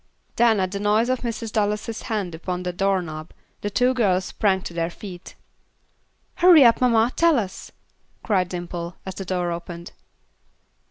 Then at the noise of Mrs. Dallas' hand upon the door knob, the two girls sprang to their feet. "Hurry up, mamma, tell us," cried Dimple, as the door opened.